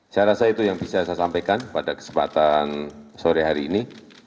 saya rasa itu yang bisa saya sampaikan pada kesempatan sore hari ini